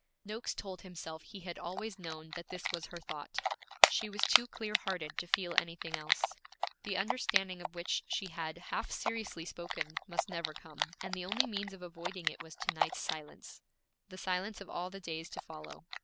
Noakes told himself he had always known that this was her thought; she was too clear hearted to feel anything else. The understanding of which she had half seriously spoken must never come, and the only means of avoiding it was to night's silence, the silence of all the days to follow.